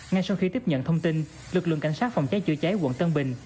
ngay sau khi tiếp nhận thông tin lực lượng cảnh sát phòng cháy chữa cháy quận tân bình